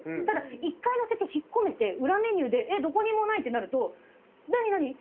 ただ１回載せて引っ込めて裏メニューでどこにもないってなると何何？